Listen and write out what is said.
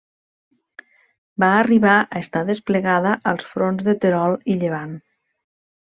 Va arribar a estar desplegada als fronts de Terol i Llevant.